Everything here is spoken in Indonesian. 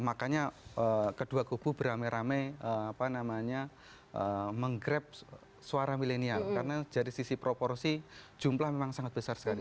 makanya kedua kubu beramai ramai menggrab suara milenial karena dari sisi proporsi jumlah memang sangat besar sekali